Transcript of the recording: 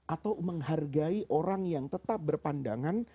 atau menghargai orang yang tetap berpandangan